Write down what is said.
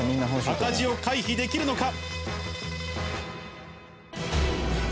赤字を回避できるのか？